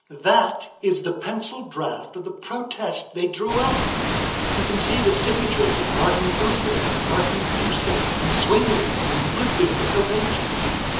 That is the pencil draft of the Protest they drew up. You can see the signatures of Martin Luther, and Martin Bucer, and Zwingli, and Ludwig the Courageous...."